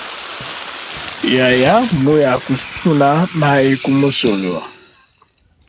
Yaya muya kusuna mayi ku musulu.